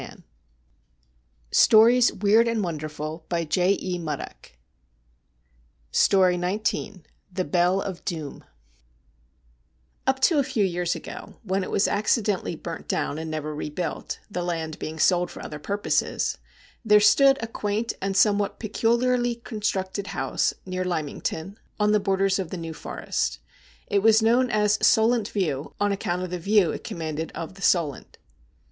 246 STORIES WEIRD AND WONDERFUL XIX THE BELL OF DOOM Up to a few years ago, when it was accidentally burnt down and never rebuilt, the land being sold for other purposes, there stood a quaint and somewhat peculiarly constructed house near Lymington, on the borders of the New Forest. It was known as ' Solent View,' on account of the view it commanded of the Solent.